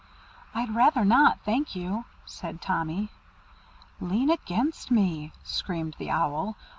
"I'd rather not, thank you," said Tommy. "Lean against me," screamed the Owl.